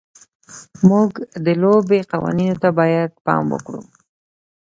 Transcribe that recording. موږ د لوبې قوانینو ته باید پام وکړو.